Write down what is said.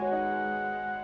walaupun cuman semalam